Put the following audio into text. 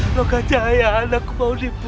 atau aku akan membunuh perempuan itu